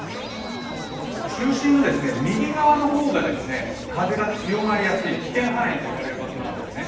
中心の右側の方が風が強まりやすい危険半円といわれる場所なんですね。